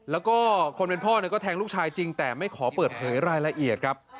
แล้วก็คนเป็นพ่อก็แทงลูกชายจริงแต่ไม่ขอเปิดเผยรายละเอียดครับ